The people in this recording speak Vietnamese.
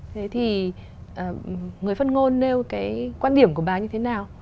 thế thì người phát ngôn nêu cái quan điểm của bà như thế nào